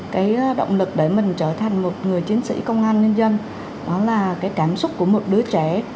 cái động lực để mình trở thành một người chiến sĩ công an nhân dân đó là cái cảm xúc của một đứa trẻ